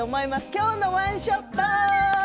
「きょうのワンショット」。